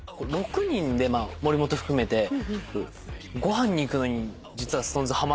６人で森本含めてご飯に行くのに実はＳｉｘＴＯＮＥＳ